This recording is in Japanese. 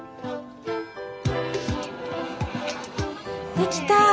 できた。